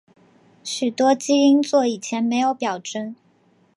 许多基因座以前没有表征。